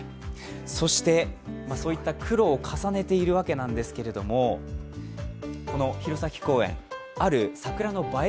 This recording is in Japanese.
そういった苦労を重ねているわけですけれども、この弘前公園、ある桜の映え